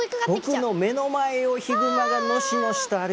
僕の目の前をヒグマがのしのしとあああ！